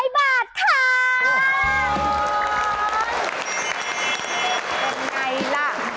เป็นไงล่ะ